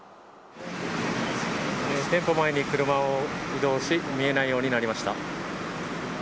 店舗前に車を移動し見えないようになりました。